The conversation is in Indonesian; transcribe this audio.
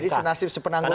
jadi senasib sepenangnya